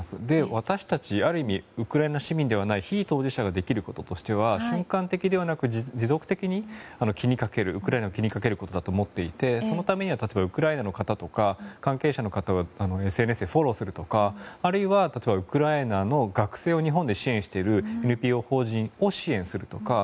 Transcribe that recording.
私たち、ある意味ウクライナ市民ではない非当事者ができることとしては瞬間的ではなく持続的にウクライナのことを気にかけることだと思っていてそのためには例えばウクライナの方とか関係者の方をＳＮＳでフォローするとかあるいはウクライナの学生を日本で支援しているＮＰＯ法人を支援するとか。